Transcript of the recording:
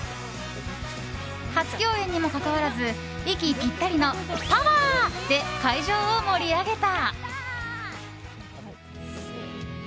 初共演にもかかわらず息ぴったりのパワーで会場を盛り上げた。